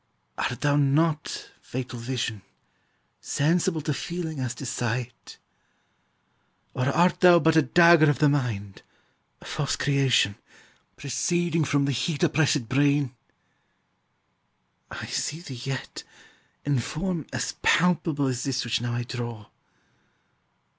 Art thou not, fatal vision, sensible To feeling as to sight? or art thou but A dagger of the mind, a false creation, Proceeding from the heat oppressèd brain? I see thee yet, in form as palpable As this which now I draw.